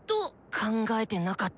考えてなかった。